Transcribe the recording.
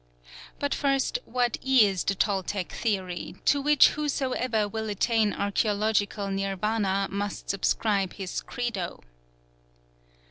But first, what is the Toltec theory, to which whosoever will attain archæological Nirvana must subscribe his "Credo"?